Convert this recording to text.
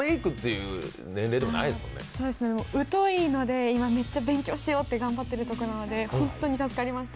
うといので今めっちゃ勉強しようと頑張っているところなので本当に助かりました。